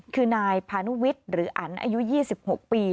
คือนายพานุวิทย์หรืออันอายุ๒๖ปี